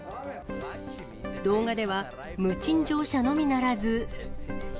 動画では無賃乗車のみならず。